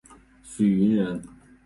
许允人。